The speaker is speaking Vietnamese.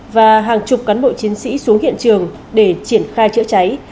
và hàng chục cán bộ chiến sĩ xuống hiện trường để triển khai chữa cháy